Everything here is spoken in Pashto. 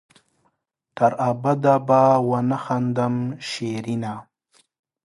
تر ابده به ونه خاندم شېرينه